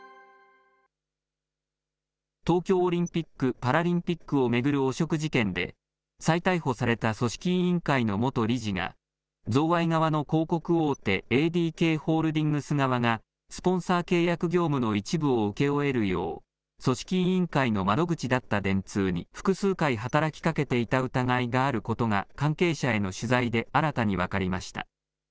東京オリンピック・パラリンピックを巡る汚職事件で、再逮捕された組織委員会の元理事が、贈賄側の広告大手、ＡＤＫホールディングス側がスポンサー契約業務の一部を請け負えるよう、組織委員会の窓口だった電通に複数回働きかけていた疑いがあることが関係者への取材で新たに分かりました。